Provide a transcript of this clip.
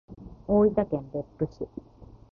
大分県別府市